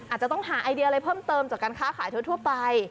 อาจจะต้องหาไอเดียอะไรเพิ่มเติมจากการค้าขายทั่วไป